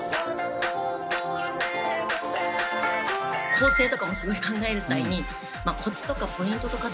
構成とかもすごい考える際にコツとかポイントとかって。